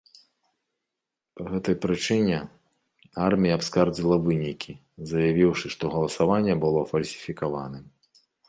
Па гэтай прычыне, армія абскардзіла вынікі, заявіўшы, што галасаванне было фальсіфікаваным.